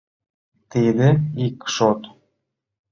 Тиде ик шот.